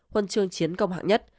huân chương chiến công hạng nhất